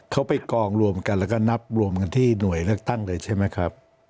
เขาไปกองรวมกันแล้วก็นับรวมกันที่หน่วยเลือกตั้งเลยใช่ไหมครับ